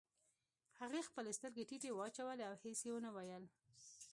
هغې خپلې سترګې ټيټې واچولې او هېڅ يې ونه ويل.